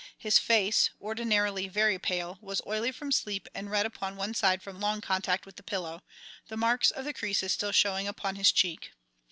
His face, ordinarily very pale, was oily from sleep and red upon one side from long contact with the pillow, the marks of the creases still showing upon his cheek.